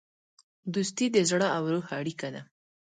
دوستي د زړه او روح اړیکه ده.